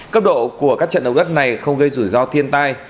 cấp độ của các trận động đất này không gây rủi ro thiên tai